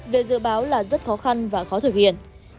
về dự báo là rất khó khăn và khó thực hiện